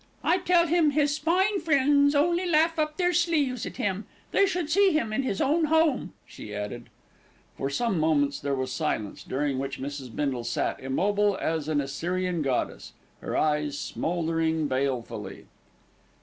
"I tell him his fine friends only laugh up their sleeves at him. They should see him in his own home," she added. For some moments there was silence, during which Mrs. Bindle sat, immobile as an Assyrian goddess, her eyes smouldering balefully.